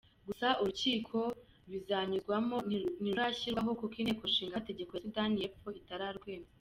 Gusa urukiko bizanyuzwamo ntirurashyirwaho kuko Inteko Ishinga Amategeko ya Sudani y’Epfo itararwemeza.